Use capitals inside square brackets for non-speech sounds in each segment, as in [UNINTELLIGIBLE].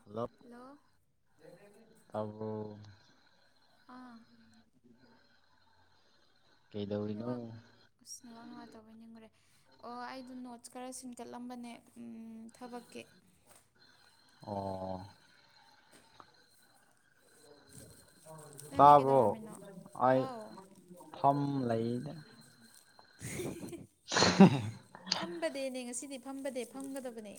ꯍꯂ ꯍꯜꯂꯣ ꯑ ꯑꯥ ꯀꯩꯗꯧꯔꯤꯅꯣ ꯅꯕꯥꯛꯁꯅꯦꯕꯥꯛ ꯅꯨꯡꯉ ꯇꯧꯕ ꯅꯤꯡꯈꯨꯔꯦ ꯑꯣ ꯑꯩꯗ ꯅ ꯈꯔ ꯁꯤꯟꯀꯠꯂꯝꯕꯅꯦ ꯊꯕꯛꯀꯤ ꯑꯣ ꯅꯪꯗꯤ ꯇꯥꯔꯕꯣ ꯀꯩꯗꯧꯔꯝꯃꯤꯅꯣ ꯑꯩ ꯍꯥꯎ ꯊꯝ ꯂꯩꯗꯦ [INAUDIBLE] ꯐꯝꯕꯗꯅꯦ ꯉꯁꯤꯗꯤ ꯐꯝꯕꯗ ꯐꯝꯒꯗꯕꯅꯦ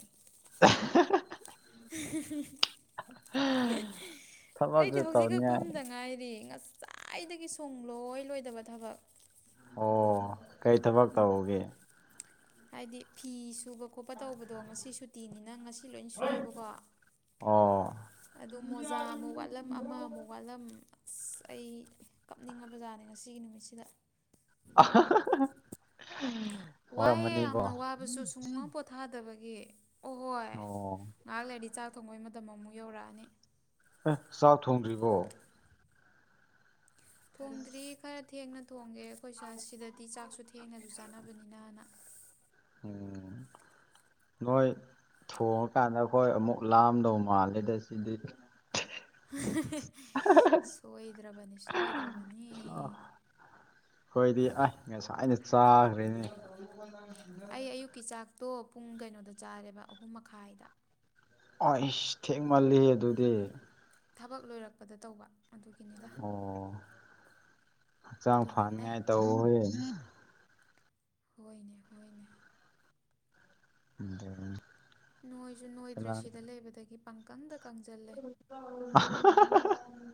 [INAUDIBLE] ꯊꯕꯛꯁꯨ ꯑꯩꯗꯤ ꯍꯧꯖꯤꯛ ꯀꯛ ꯇꯧꯅꯤꯡꯉꯥꯏ ꯐꯗ ꯉꯥꯏꯔꯤ ꯉ ꯆꯥꯏꯗꯒꯤ ꯁꯨꯡꯡꯂꯣꯏ ꯂꯣꯏꯗꯕ ꯊꯕꯛ ꯑꯣ ꯀꯔꯤ ꯊꯕꯛ ꯇꯧꯒꯦ ꯍꯥꯏꯗꯤ ꯐꯤ ꯁꯨꯕ ꯈꯣꯠꯄ ꯇꯧꯕꯗꯣ ꯉꯁꯤ ꯁꯨꯇꯤꯅꯤꯅ ꯉꯁꯤ ꯁꯤ ꯂꯣꯏ ꯁꯨꯏꯌꯦꯕꯀꯣ ꯑꯣ ꯑꯗꯨ ꯃꯣꯖꯥ ꯑꯃꯨꯛ ꯋꯥꯠꯂꯝ ꯑꯃ ꯑꯃꯨꯛ ꯋꯥꯠꯂꯝ ꯑꯁ ꯑꯩ ꯀꯞꯅꯤꯡꯉ ꯕꯖꯥꯠꯅꯦ ꯉꯁꯤꯒꯤ ꯅꯨꯃꯤꯠꯁꯤꯗ ꯑ ꯋꯥꯏꯑꯦ ꯌꯥꯝꯅ ꯋꯥꯕꯁꯨ ꯁꯨꯡꯒ ꯄꯣꯊꯥꯗꯕꯒꯤ ꯑꯣ ꯀꯪꯕꯩ ꯃꯇꯝ ꯑꯃꯨꯛ ꯌꯧꯔꯛꯑꯅꯤ ꯑꯦ ꯆꯥꯛ ꯊꯣꯡꯗ꯭ꯔꯤꯕꯣ ꯊꯣꯡꯗ꯭ꯔꯤ ꯈꯔ ꯊꯦꯡꯅ ꯊꯣꯡꯉꯦ ꯑꯩꯈꯣꯏꯁꯨ ꯁꯤꯗꯗꯤ ꯆꯥꯛꯁꯨ ꯊꯦꯡꯅꯁꯨ ꯆꯥꯅꯕꯅꯤꯅꯅ ꯎꯝ ꯅꯣꯏ ꯊꯣꯡꯉꯀꯥꯟꯗ ꯍꯣꯏ ꯑꯃꯨꯛ ꯂꯥꯝꯗꯧ ꯃꯥꯜꯂꯦꯗ ꯁꯤꯗꯤ ꯁꯣꯏꯗ꯭ꯔꯕꯅꯤ ꯁꯣꯏꯗ꯭ꯔꯕꯅꯤ ꯍꯣꯏꯗꯤ ꯑꯩꯁ ꯉꯁꯥꯏ ꯑꯅ ꯆꯥꯈ꯭ꯔꯦꯅꯦ ꯑꯩ ꯑꯌꯨꯛꯀꯤ ꯆꯥꯛꯇꯣ ꯄꯨꯡ ꯀꯩꯅꯣꯗ ꯆꯥꯔꯦꯕ ꯑꯍꯨꯝ ꯃꯈꯥꯏꯗ ꯑꯩꯁ ꯊꯦꯡꯃꯜꯂꯤ ꯑꯗꯨꯗꯤ ꯊꯕꯛ ꯂꯣꯏꯔꯛꯄꯗ ꯇꯧꯕ ꯑꯗꯨꯒꯤꯅꯤꯗ ꯆ ꯐꯥꯅꯤ ꯑꯗꯨꯅꯅꯦ ꯌꯥꯏ ꯇ ꯍ ꯍꯣꯏꯅꯦ ꯍꯣꯏꯅꯦ ꯎꯗꯅꯤ ꯅꯣꯏꯁꯨ ꯅꯣꯏꯗ꯭ꯔꯦ ꯁꯤꯗ ꯂꯩꯕꯗꯒꯤ ꯄꯥꯡꯀꯪꯗ [UNINTELLIGIBLE]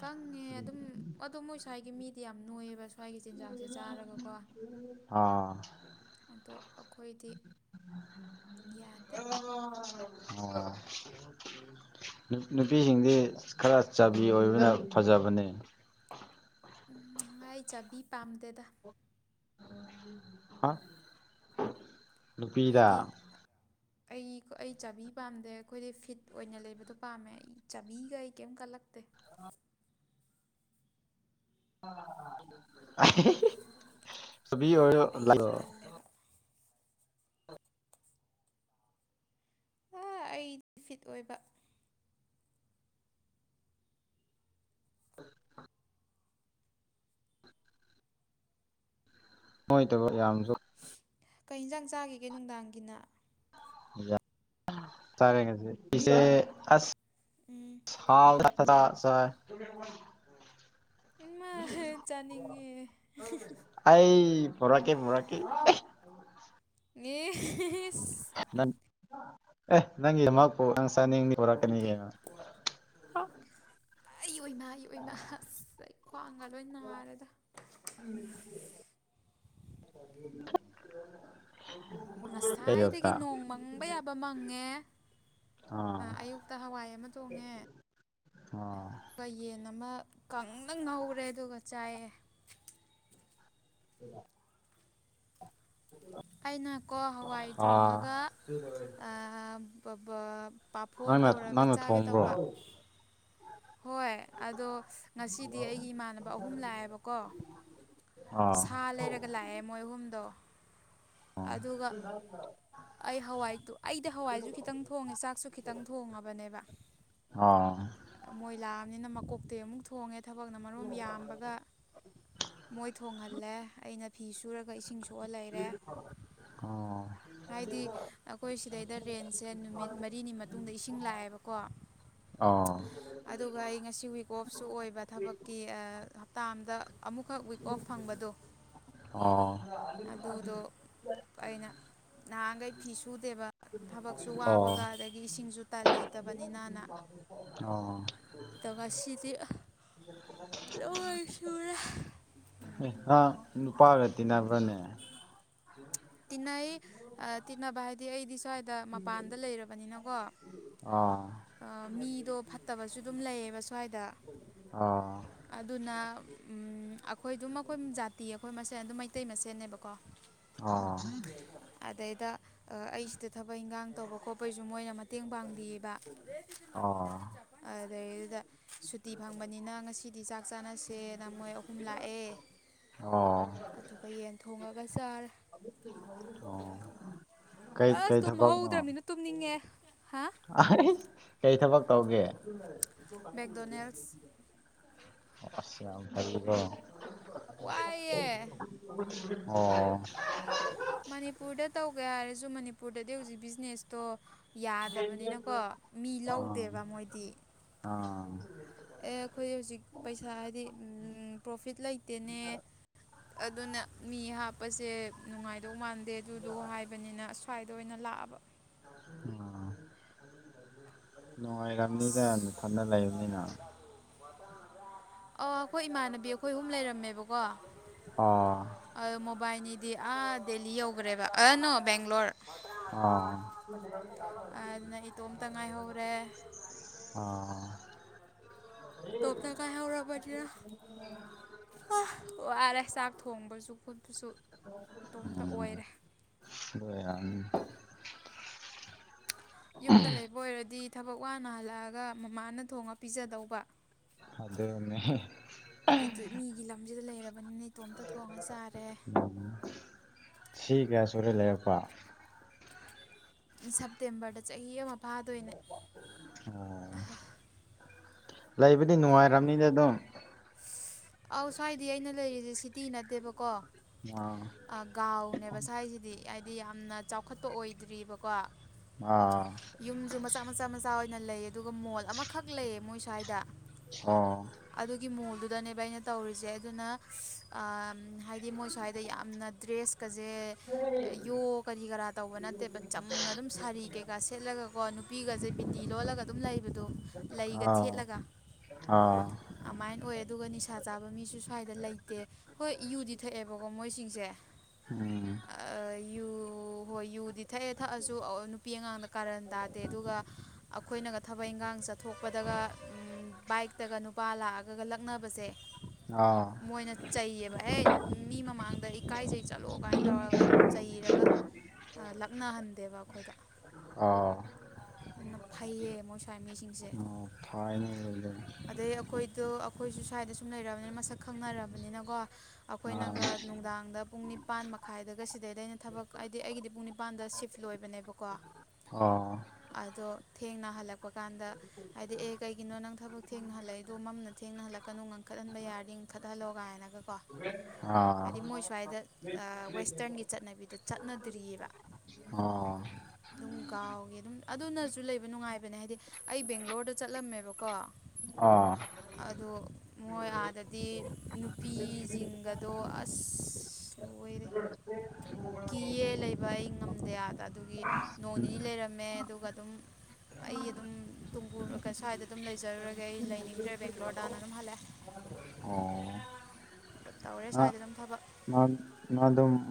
ꯀꯪꯉꯦ ꯑꯗꯨꯝ ꯑꯗꯣ ꯃꯣꯏ ꯁ꯭ꯋꯥꯏꯒꯤ ꯃꯤꯗꯤ ꯌꯥꯝ ꯅꯣꯏꯑꯕ ꯁ꯭ꯋꯥꯏꯒꯤ ꯆꯤꯟꯖꯥꯛꯁ ꯁꯦ ꯆꯥꯔꯒꯀꯣ ꯑꯥ ꯑꯗꯣ ꯑꯩꯈꯣꯏꯗꯤ ꯌꯥꯗꯦ ꯑꯣ ꯑꯣ ꯅꯨꯄꯤꯁꯤꯡꯗꯤ ꯈꯔ ꯆꯕꯤ ꯑꯣꯏꯕꯅ ꯐꯖꯕ ꯇꯕꯅꯤ ꯉꯥꯏ ꯆꯥꯕꯤ ꯄꯥꯝꯗꯦꯗ ꯅꯨꯄꯤꯗ ꯑꯩꯗꯤ ꯑꯩ ꯑꯩ ꯆꯥꯕꯤ ꯄꯥꯝꯗꯦ ꯑꯩꯈꯣꯏꯗꯤ ꯐꯤꯠ ꯑꯣꯏꯅ ꯂꯩꯕꯗꯣ ꯄꯥꯝꯃꯦ ꯑꯩ ꯆꯥꯕꯤꯒ ꯑꯩ ꯀꯩꯝ ꯀꯜꯂꯛ ꯀꯠꯇꯦ [UNINTELLIGIBLE] ꯁꯕꯤ ꯑꯣꯏ ꯂ ꯑꯩꯗꯤ ꯇꯜꯂꯦꯕ ꯑꯩꯗꯤ ꯐꯤꯠ ꯑꯣꯏꯕ [UNINTELLIGIBLE] ꯍꯣꯏ ꯇ ꯌꯥꯝꯝꯁꯨ ꯀꯩ ꯏꯟꯁꯥꯡ ꯆꯥꯈꯤꯒꯦ ꯅꯨꯡꯗꯥꯡꯒꯤꯅ ꯇꯔꯦꯦ ꯄꯆꯦ ꯑ ꯎꯝ ꯊ ꯁ ꯏꯃ ꯆꯅꯤꯡꯉ ꯑꯩ ꯐꯣꯔꯀꯦ ꯐꯔꯥꯀꯦ ꯌꯦ ꯅꯪ ꯑꯦ ꯅꯪ ꯌꯃꯄꯣ ꯅꯪ ꯁ ꯍꯔ ꯀꯅꯤ [UNINTELLIGIBLE] ꯑꯩ ꯑꯣꯏꯅꯃ ꯑꯩ ꯑꯣꯏꯅꯃꯁꯩ ꯎꯝ ꯍ ꯉꯁꯥꯏꯗꯒꯤ ꯅꯣꯡ ꯃꯪꯕ ꯌꯥꯕ ꯃꯪꯉꯦ ꯑꯥ ꯑꯌꯨꯛꯇ ꯍꯋꯥꯏ ꯑꯃ ꯇꯣꯡꯉꯦ ꯑ ꯑꯗꯨꯒ ꯌꯦꯟ ꯑꯃ ꯀꯪꯅ ꯉꯧꯔꯦ ꯑꯗꯨꯒ ꯆꯥꯏꯑꯦ ꯎ ꯑꯩꯅꯀꯣ ꯍꯋꯥꯏ ꯑꯥ ꯊꯣꯡꯉꯒ ꯄꯥꯐꯣꯔ ꯅꯪꯅ ꯇꯧꯔꯒ ꯅꯪꯅ ꯆꯥꯒꯦ ꯊꯣꯡꯕ꯭ꯔꯣ ꯇꯧꯕ ꯍꯣꯏ ꯑꯗꯣ ꯉꯁꯤꯗꯤ ꯑꯩꯒꯤ ꯏꯃꯥꯟꯅꯕ ꯑꯍꯨꯝ ꯂꯥꯛꯑꯦꯕꯀꯣ ꯑꯥ ꯁꯥ ꯂꯩꯔꯒ ꯂꯥꯛꯑꯦ ꯃꯣꯏ ꯑꯍꯨꯝꯗꯣ ꯑꯗꯨꯒ ꯑ ꯑꯩ ꯍꯋꯥꯏꯗꯨ ꯑꯩꯗꯤ ꯍꯋꯥꯏꯁꯨ ꯈꯤꯇꯪ ꯊꯣꯡꯉꯦ ꯆꯥꯛꯁꯨ ꯈꯤꯇꯪ ꯊꯣꯡꯉꯕꯅꯦꯕ ꯑꯣ ꯃꯣꯏꯂꯥꯑꯝꯅꯤꯅ ꯀꯣꯛꯇꯩ ꯑꯃꯨꯛ ꯊꯣꯡꯉꯦ ꯊꯕꯛꯅ ꯃꯔꯣꯝ ꯌꯥꯝꯕꯒ ꯃꯣꯏ ꯊꯣꯡꯍꯜꯂꯦ ꯑꯩꯅ ꯐꯤ ꯁꯨꯔꯒ ꯏꯁꯤꯡ ꯁꯣꯛꯑ ꯂꯩꯔꯦ ꯑꯣ [UNINTELLIGIBLE] ꯍꯥꯏꯗꯤ ꯑꯩꯈꯣꯏ ꯁꯤꯗꯩꯗ ꯔꯦꯟꯁꯦ ꯅꯨꯃꯤꯠ ꯃꯔꯤꯅꯤ ꯃꯇꯨꯡꯗ ꯏꯁꯤꯡ ꯂꯥꯛꯑꯦꯕꯀꯣ ꯑꯣ ꯑꯗꯨꯒ ꯑꯩ ꯉꯁꯤ ꯋꯤꯛ ꯑꯣꯐꯁꯨ ꯑꯣꯏꯕ ꯊꯕꯛꯀꯤ ꯍꯞꯇꯥ ꯑꯗ ꯑꯃꯨꯛꯈꯛ ꯋꯤꯛ ꯑꯣꯐ ꯐꯪꯕꯗꯣ ꯑꯗꯨꯗꯣ ꯑ ꯑꯩꯅ ꯅꯍꯥꯟꯈꯩ ꯐꯤ ꯁꯨꯗꯦꯕ ꯊꯕꯛꯁꯨ ꯑꯥ ꯋꯥꯕꯒ ꯑꯗꯒꯤ ꯏꯁꯤꯡꯁꯨ ꯇꯟ ꯂꯩꯇꯕꯅꯤꯅꯅ ꯑꯥ ꯑꯗꯨꯒ ꯉꯁꯤꯗꯤ ꯂꯣꯏꯣꯏꯁꯨꯨꯔꯦ ꯑ ꯅꯨꯄꯥꯒꯇꯅ ꯐꯅꯦ ꯇꯤꯅ ꯇꯤ ꯏꯔꯗꯤ꯬ ꯁ꯭ꯋꯥꯏꯗ ꯃꯄꯥꯟꯗ ꯂꯩꯔꯕꯅꯤꯅꯀꯣ ꯑꯣ ꯃꯤꯗꯣ ꯐꯠꯇꯕꯁꯨ ꯑꯗꯨꯝ ꯂꯩꯌꯦꯕ ꯁ꯭ꯋꯥꯏꯗ ꯑꯣ ꯑꯗꯨꯅ ꯑꯩꯈꯣꯏ ꯑꯗꯨꯝ ꯑꯩꯈꯣꯏ ꯖꯥꯇꯤ ꯑꯩꯈꯣꯏ ꯁꯦ ꯑꯗꯨꯝ ꯃꯩꯇꯩ ꯃꯆꯦꯅꯦꯕꯀꯣ ꯑ ꯑꯗꯩꯗ ꯑꯩꯁꯤꯗ ꯊꯕꯛ ꯏꯟꯈꯥꯡ ꯇꯧꯕ ꯈꯣꯠꯄꯒꯤꯁꯨ ꯃꯣꯏꯅ ꯃꯇꯦꯡ ꯄꯥꯡꯕꯤꯌꯦꯕ ꯑꯣ ꯑꯗꯩꯗꯨꯗ ꯁꯨꯇꯤ ꯐꯪꯕꯅꯤꯅ ꯉꯁꯤꯗꯤ ꯆꯥꯛ ꯆꯥ ꯅꯦꯅ ꯃꯣꯏ ꯑꯍ ꯂꯑ ꯑꯣ ꯑꯗꯨꯒ ꯌꯦꯜ ꯊꯩꯉ ꯆꯔꯦ ꯑꯣ ꯀꯩ ꯑꯁ ꯀꯩ ꯇꯨꯝ ꯍꯧꯧꯗ꯭ꯔꯕꯅꯤꯅ ꯇꯨꯝꯅꯤꯡꯉꯛ ꯑꯦ ꯑ ꯀꯩ ꯊꯕꯛ ꯇꯧꯒꯦ ꯃꯦꯛꯗꯣꯅꯦꯜꯁ ꯋꯥꯏꯌꯦ [UNINTELLIGIBLE] ꯑꯣ ꯃꯅꯤꯄꯨꯔꯗ ꯇꯧꯒꯦ ꯍꯥꯏꯔꯁꯨ ꯃꯅꯤꯄꯨꯔꯗꯗꯤ ꯍꯧꯖꯤꯛ ꯕꯤꯖꯤꯅꯦꯁꯇꯣ ꯌꯥꯗꯕꯅꯤꯅꯀꯣ ꯃꯤ ꯑꯥ ꯂꯧꯗꯦꯕ ꯃꯣꯏꯗꯤ ꯑꯥ ꯑꯦ ꯑꯩꯈꯣꯏ ꯍꯧꯖꯤꯛ ꯄꯩꯁꯥ ꯍꯥꯏꯗꯤ ꯄ꯭ꯔꯣꯐꯤꯠ ꯂꯩꯇꯦꯅꯦ ꯑꯗꯨꯅ ꯃꯤ ꯍꯥꯞ ꯀꯄꯁꯦ ꯅꯨꯡꯉꯥꯏꯗꯧ ꯃꯥꯟꯗꯦ ꯑꯗꯨꯗꯣ ꯍꯥꯏꯕꯅꯤꯅ ꯑꯁ꯭ꯋꯥꯏꯗ ꯑꯣꯏꯅ ꯂꯥꯛꯑꯕ ꯑ ꯅꯨꯡꯉꯥꯏꯔꯝꯅꯤꯗ ꯅꯊꯜꯗ ꯂꯩꯕꯅꯤꯅ ꯑꯣ ꯑꯩꯈꯣꯏ ꯏꯃꯥꯟꯅꯕꯤ ꯑꯩꯈꯣꯏ ꯑꯍꯨꯝ ꯂꯩꯔꯝꯃꯦꯕꯀꯣ ꯑꯥ ꯑ ꯃꯣꯕꯥꯏꯜꯅꯤ ꯗꯤ ꯑꯥ ꯗꯦꯜꯂꯤ ꯌꯧꯈ꯭ꯔꯦꯕ ꯑ ꯅꯣ ꯕꯦꯡꯒ꯭ꯂꯣꯔ ꯑꯗꯨꯅ ꯑꯥ ꯏꯇꯣꯝꯇ ꯉꯥꯏꯍꯧꯔꯦ ꯑꯣ ꯇꯣꯞꯅ ꯉꯥꯏꯍꯧꯔꯕꯅꯤꯅ ꯑꯍ ꯋꯥꯔꯦ ꯆꯥꯛꯣꯡꯕꯁꯨ ꯐꯨꯠꯄꯁꯨ ꯏꯇꯣꯝꯇ ꯑꯣꯏꯔꯦ ꯑꯗꯨ ꯑꯣꯏꯔꯝꯅꯤ ꯌꯨꯝꯗ ꯂꯩꯕ ꯑꯣꯏꯔꯗꯤ ꯊꯕꯛ ꯋꯥꯅ ꯍꯜꯂꯛꯑꯒ ꯃꯃꯥꯅ ꯊꯣꯡꯉ ꯄꯤꯖꯗꯧꯕ ꯑꯗꯨꯅꯦ ꯃꯤꯒꯤ ꯂꯝꯁꯤꯗ ꯂꯩꯔꯕꯅꯤꯅ ꯏꯇꯣꯝꯇ ꯊꯣꯡꯉ ꯆꯥꯔꯦ ꯁꯤ ꯀꯌꯥ ꯁꯨꯔꯦ ꯂꯩꯔꯛꯄ ꯁꯦꯞꯇꯦꯝꯕꯔꯗ ꯆꯍꯤ ꯑꯃ ꯐꯥꯗꯣꯏꯅꯦ ꯑ ꯂꯩꯕꯨꯗꯤ ꯅꯨꯡꯉꯥꯏꯔꯕꯅꯤꯅ ꯑꯗꯨꯝ ꯑꯧ ꯁ꯭ꯋꯥꯏꯗ ꯑꯩꯅ ꯂꯩꯔꯤꯁꯦ ꯁꯤꯇꯤ ꯅꯠꯇꯦꯕꯀꯣ ꯑꯥ ꯒꯥꯎꯅꯦꯕ ꯁ꯭ꯋꯥꯁꯤꯗꯤ ꯌꯥꯝꯅ ꯆꯥꯎꯈꯠꯄ ꯑꯣꯏꯗ꯭ꯔꯤꯕꯔꯤꯕꯀꯣ ꯑꯥ ꯌꯨꯝꯁꯨ ꯃꯆꯥ ꯃꯆꯥ ꯃꯆꯥ ꯑꯣꯏ ꯅ ꯂꯩ ꯑꯗꯨꯒ ꯃꯣꯜ ꯑꯃꯈꯛ ꯂꯩꯌꯦ ꯃꯣꯏ ꯁ꯭ꯋꯥꯏꯗ ꯑꯥ ꯑꯗꯨꯗꯅꯦꯕ ꯑꯩꯅ ꯇꯧꯔꯤꯁꯦ ꯑꯗꯨꯅ ꯍꯥꯏꯗꯤ ꯃꯣꯏ ꯁ꯭ꯋꯥꯏꯗ ꯌꯥꯝꯅ ꯗ꯭ꯔꯦꯁ ꯀꯖꯦ ꯌꯣ ꯀꯔꯤ ꯀꯔꯥ ꯇꯧꯕ ꯅꯠꯇꯦꯕ ꯆꯝꯅ ꯑꯗꯨꯝ ꯁꯥꯔꯤ ꯀꯩꯀꯥ ꯁꯦꯠꯂꯒꯀꯣ ꯕꯤꯒꯖꯤꯦ ꯕꯤꯇꯤ ꯂꯣꯜꯂꯒ ꯑꯗꯨꯝ ꯂꯩꯕꯗꯨꯣ ꯂꯩꯒ ꯑꯥꯎ ꯊꯦꯠꯂꯒ ꯑꯥ ꯑꯗꯨꯃꯥꯏꯅ ꯑꯣꯏ ꯄꯩꯁꯥ ꯆꯥꯕ ꯃꯤꯁꯨ ꯁ꯭ꯋꯥꯏꯗ ꯂꯩꯇꯦ ꯍꯣꯏ ꯏꯨꯗꯤ ꯊꯛꯑꯦꯕꯀꯣ ꯃꯣꯏꯁꯤꯡꯁꯦ ꯎꯝ ꯑ, ꯌꯨ ꯍꯣꯏ ꯌꯨꯗꯤ ꯊꯛꯑꯦ ꯊꯛꯑꯁꯨ ꯅꯨꯄꯤ ꯑꯉꯥꯡꯗ ꯀꯥꯔꯟ ꯇꯥꯗꯦ ꯑꯗꯨꯒ ꯑꯩꯈꯣꯏꯅꯒ ꯊꯕꯛ ꯏꯪꯈꯥꯡꯁꯦ ꯆꯠꯊꯣꯛꯄꯗꯒ ꯕꯥꯏꯛꯇꯒ ꯅꯨꯄꯥ ꯂꯥꯛꯑꯒꯒ ꯂꯛꯅꯕꯁꯦ ꯑ ꯃꯣꯏꯅ ꯆꯩꯌꯦꯕ ꯑꯦ ꯃꯤ ꯃꯃꯥꯡꯗ ꯏꯀꯥꯏꯆꯩ ꯆꯠꯂꯣ ꯀꯥꯏꯅ ꯇꯧꯔꯒ ꯆꯩꯔꯒ ꯂꯛꯅꯍꯟꯗꯦꯕ ꯑꯩꯈꯣꯏꯗ ꯑꯥ ꯑꯗꯨꯅ ꯐꯩꯌꯦ ꯃꯣꯏ ꯁ꯭ꯋꯥꯏ ꯃꯤꯁꯤꯡꯁꯦ ꯑꯣ ꯐꯥꯏꯅꯦ ꯑꯗꯨꯗꯤ ꯑꯗꯩ ꯑꯩꯈꯣꯏꯗꯣ ꯑꯩꯈꯣꯏꯁꯨ ꯁ꯭ꯋꯥꯏꯗ ꯁꯨꯝ ꯂꯩꯔꯕꯅꯤꯅ ꯃꯁꯛ ꯈꯪꯅꯔꯕꯅꯤꯅ ꯑꯥ ꯑꯩꯈꯣꯏꯅꯒ ꯅꯨꯡꯗꯥꯡꯗ ꯄꯨꯡ ꯅꯤꯄꯥꯟ ꯃꯈꯥꯏꯗꯒ ꯁꯤꯗꯩꯗꯅ ꯊꯕꯛ ꯍꯥꯏꯗꯤ ꯑꯩꯒꯤꯗꯤ ꯄꯨꯡ ꯅꯤꯄꯥꯟꯗ ꯁꯤꯐ ꯂꯣꯏꯕꯅꯦꯕꯀꯣ ꯑꯣ ꯑꯗꯣ ꯊꯦꯡꯅ ꯍꯜꯂꯛꯄ ꯀꯥꯟꯗ ꯍꯥꯏꯗꯤ ꯑꯦ ꯀꯩꯒꯤꯅꯣ ꯅꯪ ꯊꯕꯛ ꯊꯦꯡꯅ ꯍꯜꯂꯛꯏꯗꯣ ꯃꯝꯅ ꯊꯦꯡꯅ ꯍꯜꯂꯛꯀꯅꯨ ꯈꯠꯍꯟꯕ ꯌꯥꯔꯗꯤ ꯈꯠꯍꯜꯂꯣ ꯀꯥꯏꯅꯒꯀꯣ ꯑꯥ ꯍꯥꯏꯗꯤ ꯃꯣꯏ ꯁ꯭ꯋꯥꯏꯗ ꯋꯦꯁꯇꯔꯟꯒꯤ ꯆꯠꯅꯕꯤꯗꯣ ꯆꯠꯅꯗ꯭ꯔꯤꯑꯕ ꯑꯣ ꯑꯗꯨꯝ ꯒꯥꯎꯒꯤ ꯑꯗꯨꯝ ꯑꯗꯨꯅꯁꯨ ꯂꯩꯕ ꯅꯨꯡꯉꯥꯏꯕꯅꯦ ꯍꯥꯏꯗꯤ ꯑꯩ ꯕꯦꯡꯒ꯭ꯂꯣꯔꯗ ꯆꯠꯂꯝꯃꯦꯕꯀꯣ ꯑꯥ ꯑꯣ ꯑꯗꯣ ꯃꯣꯏ ꯑꯥꯗꯗꯤ ꯅꯨꯄꯤꯁꯤꯡꯒꯗꯣ ꯑꯁ ꯂꯣꯏꯔꯦ ꯎ ꯀꯤꯌꯦ ꯂꯩꯕ ꯑꯩ ꯉꯝꯗꯦ ꯑꯗ ꯑꯗꯨꯒꯤ ꯅꯣꯡ ꯅꯤꯅꯤ ꯂꯩꯔꯝꯃꯦ ꯑꯗꯨꯒ ꯑꯗꯨꯝ ꯑꯩ ꯑꯗꯨꯝ ꯇꯨꯡꯀꯨꯔ ꯁ꯭ꯋꯥꯏꯗ ꯑꯗꯨꯝ ꯂꯩꯖꯔꯨꯔꯒꯦ ꯑꯩ ꯂꯩꯅꯤꯡꯗ꯭ꯔꯦ ꯕꯦꯡꯒ꯭ꯂꯣꯔꯗꯅ ꯑꯗꯨꯝ ꯍꯜꯂꯛꯑꯦ ꯇꯧꯔꯦ ꯅ ꯁ꯭ꯋꯥꯏꯗ ꯑꯗꯨꯝ ꯊꯕꯛ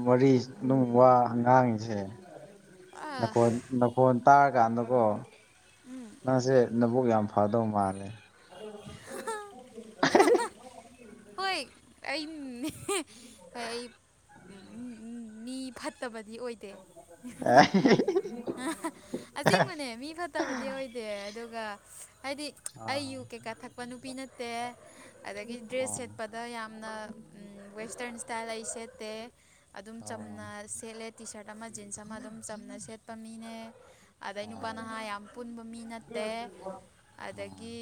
ꯃꯔꯤ ꯅꯨꯡ ꯋꯥ ꯑꯉꯥꯡꯁꯦꯣꯟ ꯅꯀꯣꯟ ꯇꯥꯔ ꯀꯥꯟꯗꯀꯣ ꯎꯝ ꯃꯥꯁꯦ ꯅꯕꯨꯛ ꯌꯥꯝ ꯐꯗꯧ ꯃꯥꯜꯂꯦ [UNINTELLIGIBLE] ꯍꯣꯏ ꯑꯩ ꯍꯣꯏ ꯑꯩ ꯃꯤ ꯐꯠꯇꯕꯗꯤ ꯑꯣꯏꯗꯦ ꯑꯁꯦꯡꯕꯅꯦ ꯃꯤ ꯐꯠꯇ ꯐꯠꯇꯕꯗꯤ ꯑꯣꯏꯗꯦ ꯑꯗꯨꯒ ꯍꯥꯏꯗꯤ ꯑꯩ ꯌꯨ ꯀꯩꯀꯥ ꯊꯛꯄ ꯅꯨꯄꯤ ꯅꯠꯇꯦ ꯑꯗꯨꯗꯒꯤ ꯗ꯭ꯔꯦꯁ ꯆꯠꯄꯗ ꯌꯥꯝꯅ ꯋꯦꯁꯇ꯭ꯔꯟ ꯏꯁ꯭ꯇꯥꯏꯜ ꯑꯩ ꯁꯦꯠꯇꯦ ꯑꯗꯨꯝ ꯆꯝꯅ ꯁꯦꯠꯂꯦ ꯇꯤ ꯁꯥꯔꯠ ꯑꯃ ꯖꯤꯟꯁ ꯑꯃ ꯑꯗꯨꯝ ꯆꯝꯅ ꯁꯦꯠꯄ ꯃꯤꯅꯦ ꯑꯗꯩ ꯅꯨꯄꯥ ꯅꯍꯥ ꯌꯥꯝ ꯄꯨꯟꯕ ꯃꯤ ꯅꯠꯇꯦ [UNINTELLIGIBLE] ꯑꯗꯒꯤ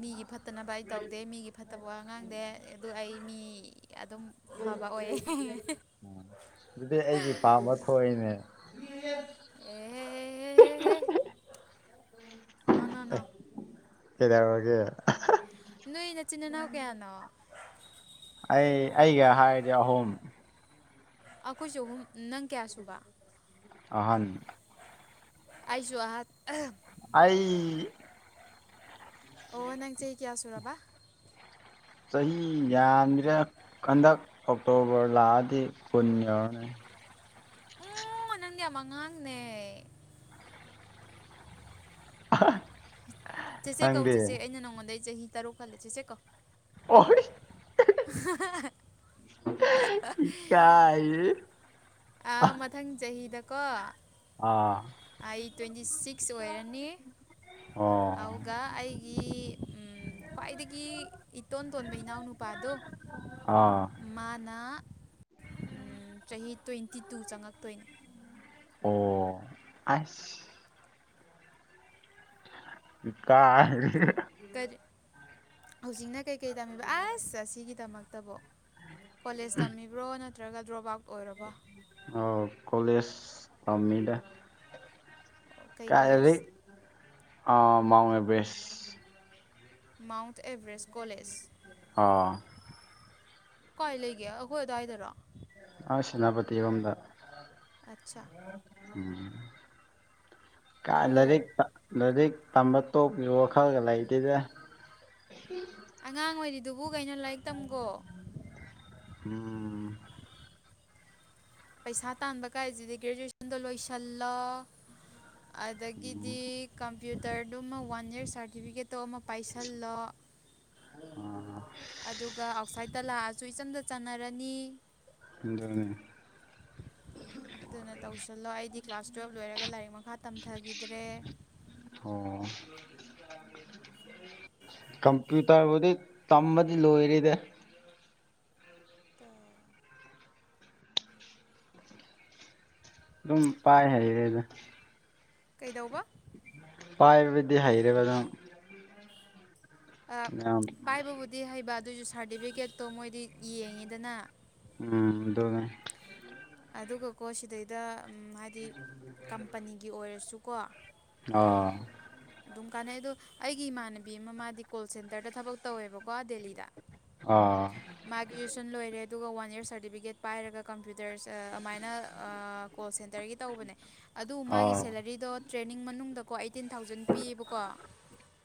ꯃꯤꯒꯤ ꯐꯠꯇꯅꯕ ꯑꯩ ꯇꯧꯗꯦ ꯃꯤꯒꯤ ꯐꯠꯇꯕ ꯋꯥꯉꯥꯡ ꯗ ꯑꯗꯨ ꯑꯩ ꯃꯤ ꯑꯗꯨꯝ ꯐꯕ ꯑꯣꯏ ꯑꯗꯨꯗꯤ ꯑꯩꯒꯤ ꯄꯥꯝꯕ ꯊꯣꯛꯏꯅꯦ ꯑꯦ ꯅ ꯅ ꯅ ꯏ ꯋꯥꯒ ꯅꯣꯏ ꯅꯆꯤꯟ ꯏꯅꯥꯎ ꯀꯌꯥꯅꯣ ꯑꯩ ꯑꯩꯒ ꯍꯥꯏꯔꯗꯤ ꯑꯍꯨꯝ ꯑꯩꯈꯣꯏꯁꯨ ꯑꯍꯨꯝ ꯅꯪ ꯀꯌꯥ ꯁꯨꯕ ꯑꯍꯟ ꯑꯁꯨꯨ ꯑꯍꯥꯛ ꯑꯩ ꯑꯣ ꯅꯪ ꯆꯦ ꯍ ꯀꯌꯥꯁꯨ ꯔꯕꯥ ꯆꯍꯤ ꯌꯥꯝꯗ꯭ꯔꯥ ꯍꯟꯗꯛ ꯑꯣꯛꯇꯣꯕꯔ ꯂꯥꯛꯑꯗꯤ ꯀꯨꯟ ꯌꯧꯔꯅꯤ ꯎꯝ ꯅꯅꯪꯒꯤ ꯃꯉꯥꯡꯅꯦ ꯑ ꯆꯦꯆꯦ ꯀꯧ ꯆꯦꯆꯦ ꯑꯩꯅ ꯅꯪꯉꯣꯟꯗꯩ ꯆꯍꯤ ꯇꯔꯨꯛ ꯈꯜꯂꯦ ꯆꯦꯆꯦ ꯀꯧ ꯑꯍꯔ ꯀꯥꯏ ꯑ ꯃꯊꯪ ꯆꯍꯤꯗꯀꯣ ꯑꯥ ꯑꯩ ꯇ꯭ꯋꯦꯟꯇꯤ ꯁꯤꯛꯁ ꯑꯣꯏꯔꯅꯤ ꯑꯣ ꯑꯗꯨꯒꯒ ꯑꯩꯒꯤ ꯎ ꯈ꯭ꯋꯥꯏꯗꯒꯤ ꯏꯇꯣꯟ ꯇꯣꯟꯕ ꯏꯅꯥꯎꯅꯨꯄꯥꯗꯣ ꯑꯥ ꯃꯥꯅ ꯆꯍꯤ ꯇ꯭ꯋꯦꯟꯇꯤ ꯇꯨ ꯆꯪꯉꯛꯇꯣꯏꯅꯦ ꯑꯣ ꯑꯁ ꯏꯀꯥ ꯀꯔꯤ ꯍꯧꯖꯤꯛꯅ ꯀꯩꯀꯩ ꯇꯝꯃꯤꯕ ꯑꯁ ꯑꯁꯤꯒꯤꯗꯃꯛꯇꯕꯣ ꯀꯣꯂꯦꯖ ꯇꯝꯃꯤꯕ꯭ꯔꯣ ꯅꯠꯇ꯭ꯔꯒ ꯗ꯭ꯔꯣꯞ ꯑꯥꯎꯠ ꯑꯣꯏꯔꯕꯣ ꯑ ꯀꯣꯂꯦꯖ ꯊꯝꯃꯤꯗ ꯑꯣ ꯀꯩ ꯀꯣꯂꯦꯖ ꯃꯥꯎ ꯑꯦꯕꯦꯁ ꯃꯥꯎꯟꯠ ꯑꯦꯚꯔꯦꯁ ꯀꯣꯂꯦꯖ ꯑꯣ ꯀꯥꯏ ꯂꯩꯒꯦ ꯑꯩꯈꯣꯏ ꯑꯗꯨꯋꯥꯏꯗꯔꯣ ꯁꯦꯅꯥꯄꯇꯤꯔꯣꯝꯗ ꯑꯆꯥ ꯀꯥꯏ ꯂꯔꯤꯛ ꯑꯣ ꯂꯔꯤꯛ ꯇꯝꯕ ꯇꯣꯛꯄꯤꯕ ꯋꯥꯈꯜꯒ ꯂꯩꯇꯦꯗ ꯑꯉꯥꯡ ꯑꯣꯏꯔꯤꯗꯨꯕꯨ ꯀꯩꯅꯣ ꯂꯥꯏꯔꯤꯛ ꯇꯝꯈꯣ ꯎꯝ ꯄꯩꯁꯥ ꯇꯥꯟꯕ ꯀꯥꯏꯁꯤꯗꯤ ꯒ꯭ꯔꯦꯖꯨꯑꯦꯁꯟꯗꯣ ꯂꯣꯏꯁꯤꯜꯂ ꯑꯗꯒꯤꯗꯤ ꯀꯝꯄ꯭ꯌꯨꯇꯔꯗꯨꯃ ꯋꯥꯟ ꯏꯔ ꯁꯥꯔꯇꯤꯐꯤꯀꯦꯠ ꯐꯣꯇꯣ ꯑꯃ ꯄꯥꯏꯁꯤꯜꯂꯣ ꯑꯗꯨꯒ ꯑꯥꯎꯠꯁꯥꯏꯗꯠꯇ ꯂꯥꯛꯑꯁꯨ ꯏꯆꯝꯗ ꯆꯥꯟꯅꯔꯅꯤ ꯑꯗꯅꯤ ꯑꯗꯨꯅ ꯇꯧꯁꯤꯜꯂꯣ ꯑꯩꯗꯤ ꯀ꯭ꯂꯥꯁ ꯇꯨꯌꯦꯦꯜꯕ ꯂꯣꯏꯔꯒ ꯂꯥꯏꯔꯤꯛ ꯃꯈꯥ ꯇꯝꯊꯈꯤꯗ꯭ꯔꯦ ꯑꯣ ꯀꯝꯄ꯭ꯌꯨꯇꯔꯕꯨꯗꯤ ꯇꯝꯃꯗꯤ ꯂꯣꯏꯔꯤꯗ ꯑꯗꯨꯝ ꯄꯥꯏ ꯍꯥꯏꯔꯦꯗ ꯀꯩꯗꯧꯕ ꯄꯥꯏꯕꯗꯤ ꯍꯩꯔꯦꯕ ꯑꯗꯨꯝ ꯌꯥꯝ ꯄꯥꯏꯕꯕꯨꯗꯤ ꯍꯩꯕ ꯑꯗꯨꯑꯣꯏꯁꯨ ꯁꯥꯔꯇꯤꯐꯤꯀꯦꯠꯇꯣ ꯃꯣꯏꯗꯤ ꯌꯦꯡꯉꯤꯗꯅ ꯎꯝ ꯑꯗꯨꯒ ꯑꯗꯨꯒꯀꯣ ꯁꯤꯗꯩꯗ ꯍꯥꯏꯗꯤ ꯀꯝꯄꯅꯤꯒꯤ ꯑꯣꯏꯔꯁꯨꯀꯣ ꯑꯥ ꯑꯗꯨꯝ ꯀꯥꯟꯅꯩ ꯑꯗꯣ ꯑꯩꯒꯤ ꯏꯃꯥꯟꯅꯕꯤ ꯑꯃ ꯃꯥꯗꯤ ꯀꯣꯜ ꯁꯦꯟꯇꯔꯗ ꯊꯕꯛ ꯇꯧꯋꯦꯕꯀꯣ ꯗꯦꯜꯂꯤꯗ ꯑꯥ ꯃꯥ ꯒ꯭ꯔꯦꯖꯨꯋꯌꯦꯁꯟ ꯂꯣꯏꯔꯦ ꯑꯗꯨꯒ ꯋꯥꯟ ꯏꯌꯥꯔ ꯁꯥꯔꯇꯤꯐꯤꯀꯦꯠ ꯄꯥꯏꯔꯒ ꯀꯝꯄ꯭ꯌꯨꯇꯔꯁ ꯑꯗꯨꯃꯥꯏꯅ ꯀꯣꯜ ꯁꯦꯟꯇꯔꯒꯤ ꯇꯧꯕꯅꯦ ꯑꯗꯨ ꯃꯥꯒꯤ ꯑꯥ ꯁꯦꯂꯔꯤꯗꯣ ꯇ꯭ꯔꯦꯅꯤꯡ ꯃꯅꯨꯡꯗꯀꯣ ꯑꯩꯠꯇꯤꯟ ꯊꯥꯎꯖꯟ ꯄꯤꯌꯦꯕꯀꯣ